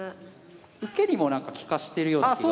受けにも利かしてるような気が。